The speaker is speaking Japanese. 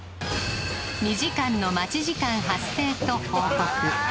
２時間の待ち時間発生と報告